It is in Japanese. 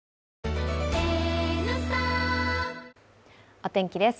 お天気です。